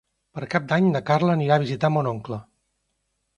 Per Cap d'Any na Carla anirà a visitar mon oncle.